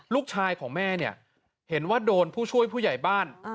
ลูกชายของแม่เนี่ยเห็นว่าโดนผู้ช่วยผู้ใหญ่บ้าน